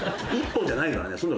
１本じゃないからね